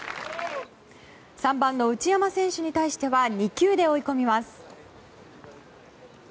３番の内山選手に対しては２球で追い込みます。